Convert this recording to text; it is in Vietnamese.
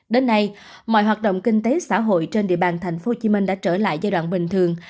đến nay mọi hoạt động kinh tế xã hội trên địa bàn tp hcm đã trở lại giai đoạn bình thường